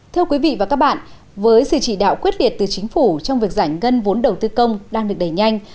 thưa quý vị và các bạn với sự chỉ đạo quyết liệt từ chính phủ trong việc giải ngân vốn đầu tư công đang được đẩy nhanh